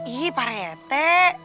ih pak rete